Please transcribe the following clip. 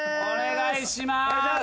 お願いします。